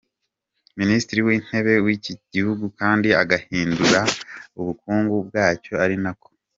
Minisitiri wIntebe wiki gihugu kandi agahindura ubukungu bwacyo ari nako.